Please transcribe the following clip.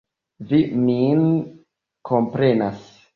Vi min komprenas.